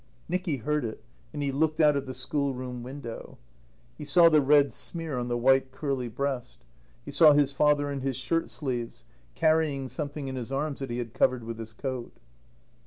Nicky heard it, and he looked out of the schoolroom window. He saw the red smear on the white curly breast. He saw his father in his shirt sleeves, carrying something in his arms that he had covered with his coat.